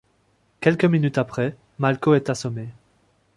Quelques minutes après, Malko est assommé.